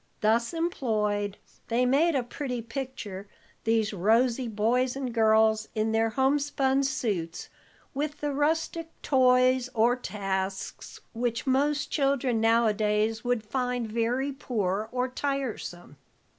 Thus employed, they made a pretty picture, these rosy boys and girls, in their homespun suits, with the rustic toys or tasks which most children nowadays would find very poor or tiresome.